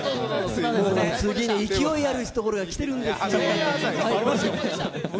次に勢いあるところが来てるんですよ。